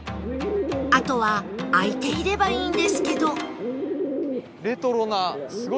あとは開いていればいいんですけど